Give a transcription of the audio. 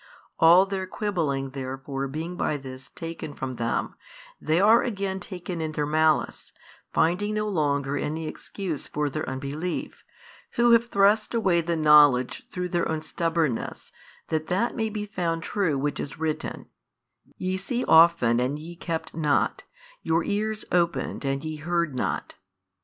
All their quibbling therefore being by this taken from them, they are again taken in their malice, finding no longer any excuse for their unbelief, who have thrust away the knowledge through their own stubbornness, that that may be found true which is written, Ye see often and ye kept not, your ears opened and ye heard not.